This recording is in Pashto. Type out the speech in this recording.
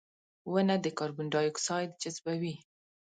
• ونه د کاربن ډای اکساید جذبوي.